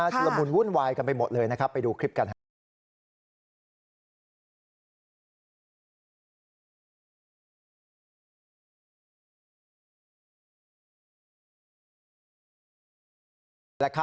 ชุมภูมิวุ่นวายกันไปหมดเลยไปดูคลิปกัน